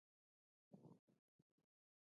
د ادارې موقف باید په پام کې ونیسئ.